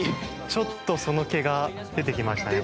ちょっとその気が出てきましたね